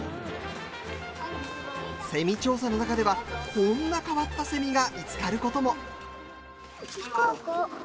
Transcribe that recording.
セミ調査のなかではこんな変わったセミが見つかることも。